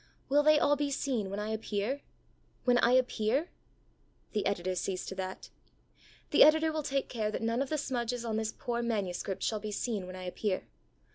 Will they all be seen when I appear, when I appear? The Editor sees to that. The Editor will take care that none of the smudges on this poor manuscript shall be seen when I appear.